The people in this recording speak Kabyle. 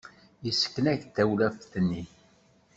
Yessken-ak-d tawlaft-nni?